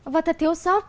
và thật thiếu sót